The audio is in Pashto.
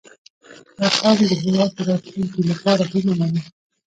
• دا قوم د هېواد د راتلونکي لپاره هیله لري.